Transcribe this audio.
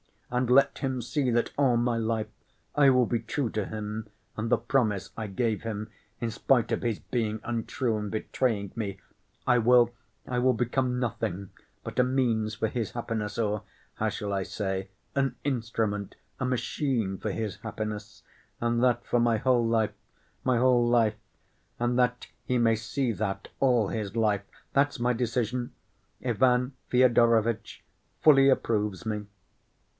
And let him see that all my life I will be true to him and the promise I gave him, in spite of his being untrue and betraying me. I will—I will become nothing but a means for his happiness, or—how shall I say?—an instrument, a machine for his happiness, and that for my whole life, my whole life, and that he may see that all his life! That's my decision. Ivan Fyodorovitch fully approves me."